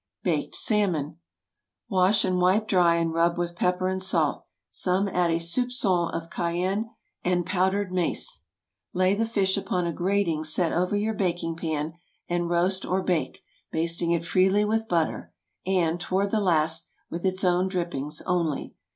BAKED SALMON. ✠ Wash and wipe dry, and rub with pepper and salt. Some add a soupçon of cayenne and powdered mace. Lay the fish upon a grating set over your baking pan, and roast or bake, basting it freely with butter, and, toward the last, with its own drippings only.